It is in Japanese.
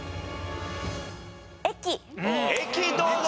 駅どうだ？